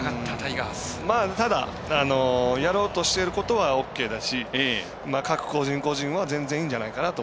ただ、やろうとしていることはＯＫだし各個人個人は全然いいんじゃないかなと。